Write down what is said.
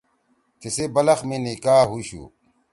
تیِسی بلخ می نکاح ہُوشُو۔